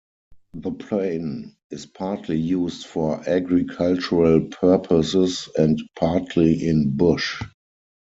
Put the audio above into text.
The plain is partly used for agricultural purposes and partly in bush.